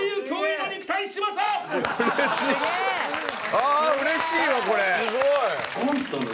ああ嬉しいわこれ。